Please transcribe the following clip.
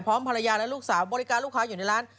ภรรยาและลูกสาวบริการลูกค้าอยู่ในร้าน